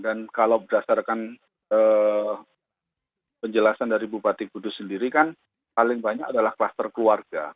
dan kalau berdasarkan penjelasan dari bupati kudus sendiri kan paling banyak adalah klaster keluarga